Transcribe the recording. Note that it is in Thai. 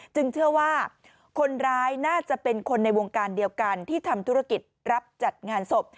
เชื่อว่าคนร้ายน่าจะเป็นคนในวงการเดียวกันที่ทำธุรกิจรับจัดงานศพ